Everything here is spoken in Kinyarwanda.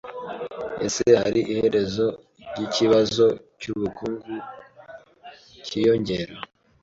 Ese hari iherezo ryikibazo cy’ubukungu cyiyongera?